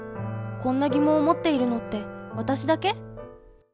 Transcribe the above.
こんな疑問を持っているのって私だけ？